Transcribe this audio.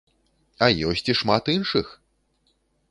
А ёсць і шмат іншых!